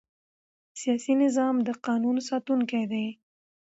سیاسي نظام د قانون ساتونکی دی